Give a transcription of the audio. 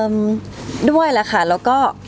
มันหวยหาที่ยังไงอัดอันหรือยังไง